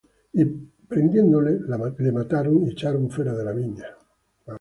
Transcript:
Y prendiéndole, le mataron, y echaron fuera de la viña.